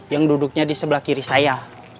yang duduknya di sebelah kiri saya